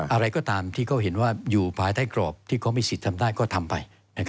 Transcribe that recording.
อะไรก็ตามที่เขาเห็นว่าอยู่ภายใต้กรอบที่เขามีสิทธิ์ทำได้ก็ทำไป